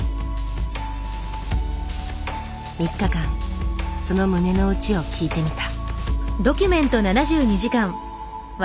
３日間その胸の内を聞いてみた。